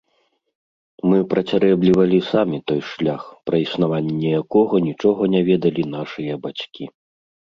Мы працярэблівалі самі той шлях, пра існаванне якога нічога не ведалі нашыя бацькі.